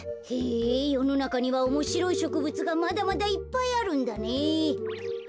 へえよのなかにはおもしろいしょくぶつがまだまだいっぱいあるんだね。